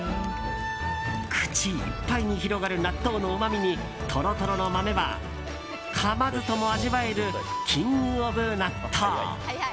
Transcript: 口いっぱいに広がる納豆のうまみにトロトロの豆はかまずとも味わえるキングオブ納豆！